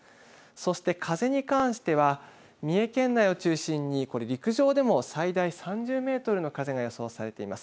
そして風に関しては三重県内を中心に陸上でも最大３０メートルの風が予想されています。